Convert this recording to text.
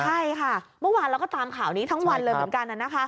ใช่ค่ะเมื่อวานเราก็ตามข่าวนี้ทั้งวันเลยเหมือนกัน